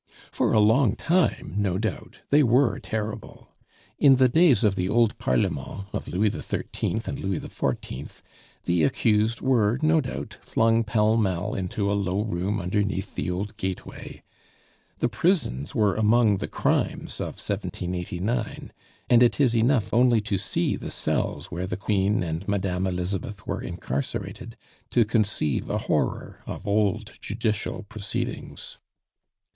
For a long time, no doubt, they were terrible. In the days of the old Parlement, of Louis XIII. and Louis XIV., the accused were, no doubt, flung pell mell into a low room underneath the old gateway. The prisons were among the crimes of 1789, and it is enough only to see the cells where the Queen and Madame Elizabeth were incarcerated to conceive a horror of old judicial proceedings.